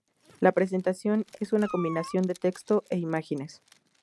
La presentación es una combinación de texto e imágenes.